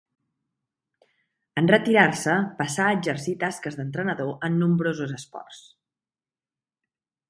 En retirar-se passà a exercir tasques d'entrenador en nombrosos esports.